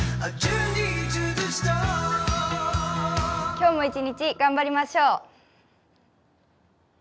今日も一日頑張りましょう。